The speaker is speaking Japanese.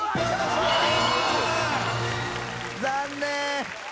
残念！